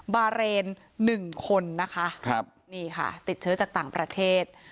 บาเรน๑คนนะคะนี่ค่ะติดเชื้อจากต่างประเทศ